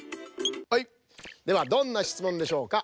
はいではどんなしつもんでしょうか？